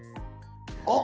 あっ！